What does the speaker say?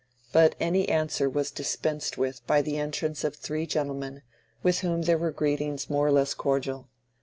But any answer was dispensed with by the entrance of three gentlemen, with whom there were greetings more or less cordial.